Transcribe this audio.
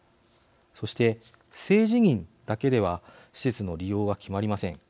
そして、性自認だけでは施設の利用は決まりません。